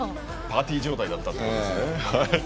パーティー状態だったということですね。